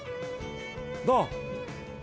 どう？